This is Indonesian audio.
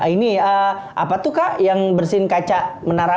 ini apa tuh kak yang bersin kaca menara